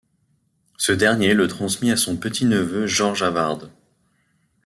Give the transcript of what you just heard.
Ce dernier le transmit à son petit-neveu Georges Havard.